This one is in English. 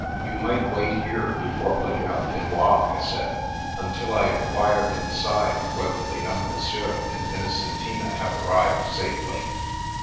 ." You might wait here before putting up Finois," I said, " until I enquire inside whether the young Monsieur and Innocentina have arrived safely.